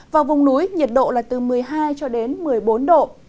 vào vùng núi nhiệt độ là từ một mươi hai một mươi bốn độ